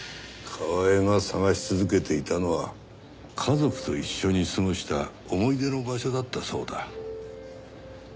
カワエが探し続けていたのは家族と一緒に過ごした思い出の場所だったそうだ。